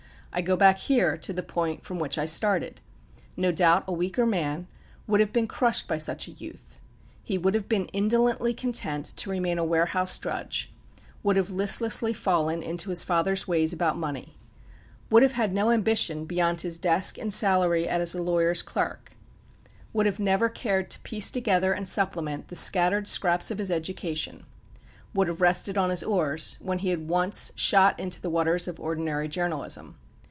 I go back here to the point from which I started. No doubt a weaker man would have been crushed by such a youth. He would have been indolently content to remain a warehouse drudge, would have listlessly fallen into his father's ways about money, would have had no ambition beyond his desk and salary as a lawyer's clerk, would have never cared to piece together and supplement the scattered scraps of his education, would have rested on his oars when he had once shot into the waters of ordinary journalism.